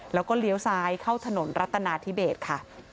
แล้วก็เลี้ยวซ้ายเข้าถนนรัฐนาธิเบสค่ะ